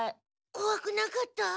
こわくなかった？